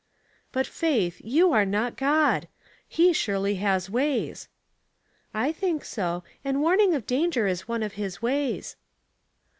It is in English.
'' But, Faith, you are not God. He surely has ways." " I think so, and warning of danger is one of his ways."